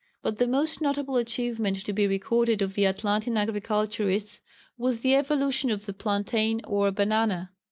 But the most notable achievement to be recorded of the Atlantean agriculturists was the evolution of the plantain or banana.